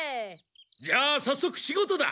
じゃあさっそく仕事だ。